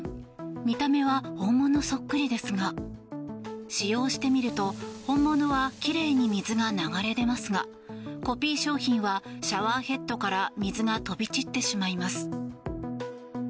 見た目は本物そっくりですが使用してみると本物は奇麗に水が流れ出ますがコピー商品はシャワーヘッドから水が飛び散ってしまいます。